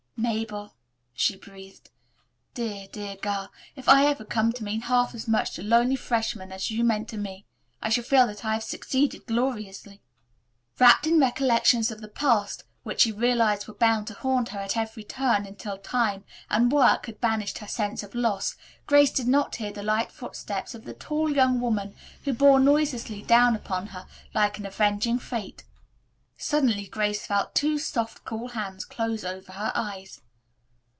"Mabel," she breathed, "dear, dear girl! If ever I come to mean half as much to lonely freshmen as you meant to me, I shall feel that I have succeeded gloriously." Wrapped in recollections of the past, which she realized were bound to haunt her at every turn until time and work had banished her sense of loss, Grace did not hear the light footsteps of the tall young woman who bore noiselessly down upon her like an avenging fate. Suddenly Grace felt two soft, cool hands close over her eyes.